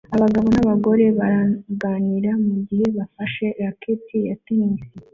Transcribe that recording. Abagabo n'abagore baraganira mugihe bafashe racket ya tennis